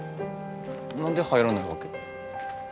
何で入らないわけ？